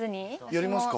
やりますか？